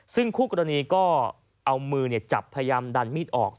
ซึ่งคู่กรณีก็เอามือจับพยายามดันมีดออก